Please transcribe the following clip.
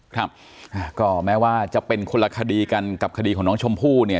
ครับก็แม้ว่าจะเป็นคนละคดีกันกับคดีของน้องชมพู่เนี่ย